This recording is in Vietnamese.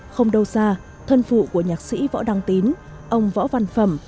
không đâu xa thân phụ của nhạc sĩ võ đăng tín ông võ văn phẩm